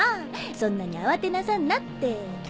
そんなに慌てなさんなって。